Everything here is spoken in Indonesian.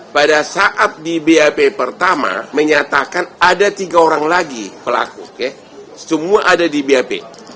pada saat di bap pertama menyatakan ada tiga orang lagi pelaku semua ada di bap